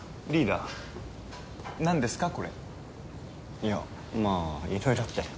いやまあいろいろあって。